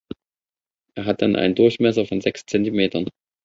Er hat dann einen Durchmesser von sechs Zentimetern.